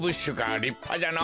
りっぱじゃのぉ。